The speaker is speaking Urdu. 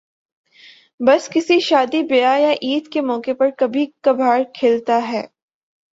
بس کسی شادی بیاہ یا عید کے موقع پر کبھی کبھارکھلتا ہے ۔